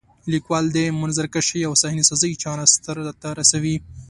لیکوال د منظرکشۍ او صحنه سازۍ چاره سرته رسوي.